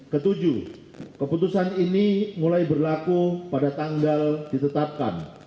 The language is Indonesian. ke tujuh keputusan ini mulai berlaku pada tanggal ditetapkan